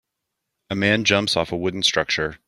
A man jumps off a wooden structure.